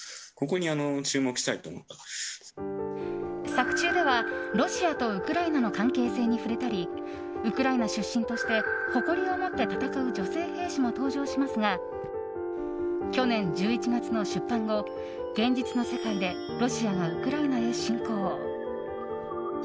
作中ではロシアとウクライナの関係性に触れたりウクライナ出身として誇りを持って戦う女性兵士も登場しますが去年１１月の出版後現実の世界でロシアがウクライナへ侵攻。